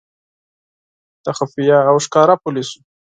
د خفیه او ښکاره پولیسو.